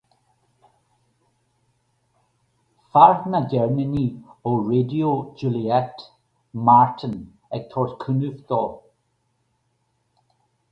Fear na gceirníní ó Raidió Juliette, Martin, ag tabhairt cúnaimh dó.